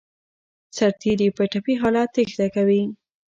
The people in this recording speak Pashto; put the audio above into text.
سرتیري په ټپي حالت تېښته کوي.